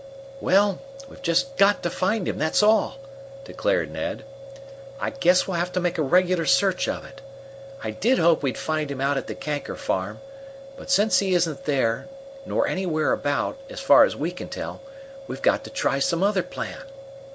"Well, we've just got to find him that's all!" declared Ned. "I guess we'll have to make a regular search of it. I did hope we'd find him out at the Kanker farm. But since he isn't there, nor anywhere about, as far as we can tell, we've got to try some other plan."